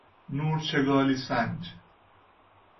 نورچگالی سنج